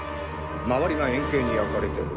周りが円形に焼かれてる。